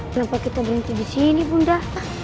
kenapa kita berhenti di sini bunda